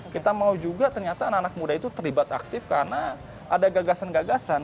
kita mau juga ternyata anak anak muda itu terlibat aktif karena ada gagasan gagasan